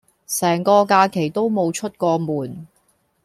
成個假期都無出過門